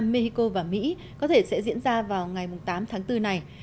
mexico và mỹ có thể sẽ diễn ra vào ngày tám tháng bốn này